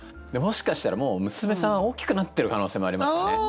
もしかしたらもう娘さん大きくなってる可能性もありますよね。